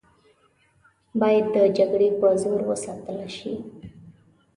باید د جګړې په زور وساتله شي.